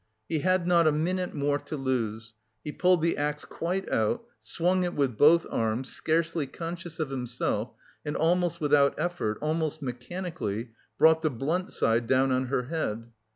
He had not a minute more to lose. He pulled the axe quite out, swung it with both arms, scarcely conscious of himself, and almost without effort, almost mechanically, brought the blunt side down on her head.